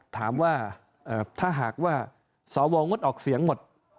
ถามว่าถ้าหากว่าสวงดออกเสียงหมด